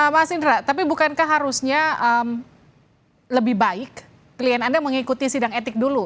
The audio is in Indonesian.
mas indra tapi bukankah harusnya lebih baik klien anda mengikuti sidang etik dulu